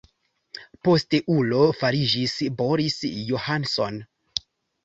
Posteulo fariĝis Boris Johnson.